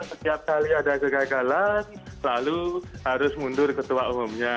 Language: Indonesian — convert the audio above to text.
setiap kali ada kegagalan lalu harus mundur ketua umumnya